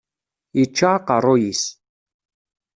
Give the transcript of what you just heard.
Yečča aqerruy-is.